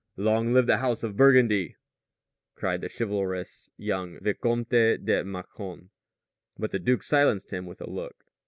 "Long live the House of Burgundy," cried the chivalrous young Vicomte de Mâcon. But the duke silenced him with a look.